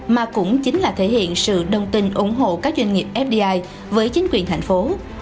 mà cũng chính là thể hiện sự đồng tình ủng hộ các doanh nghiệp fdi với chính quyền thành phố